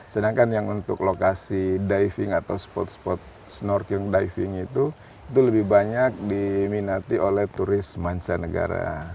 sedangkan yang untuk lokasi diving atau spot spot snorkeling diving itu itu lebih banyak diminati oleh turis mancanegara